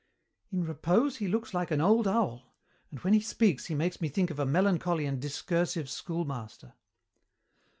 "In repose he looks like an old owl, and when he speaks he makes me think of a melancholy and discursive schoolmaster."